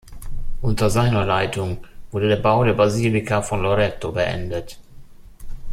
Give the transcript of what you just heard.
Unter seiner Leitung wurde der Bau der Basilika von Loreto beendet.